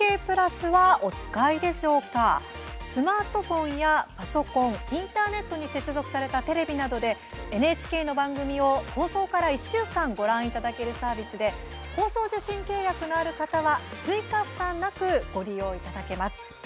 スマートフォンやパソコン、インターネットに接続されたテレビなどでＮＨＫの番組を、放送から１週間ご覧いただけるサービスで放送受信契約のある方は追加負担なくご利用いただけます。